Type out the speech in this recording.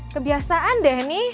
kebiasaan deh nih